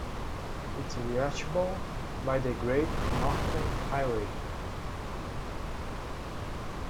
It is reachable by the Great Northern Highway.